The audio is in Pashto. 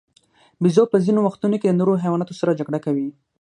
بیزو په ځینو وختونو کې د نورو حیواناتو سره جګړه کوي.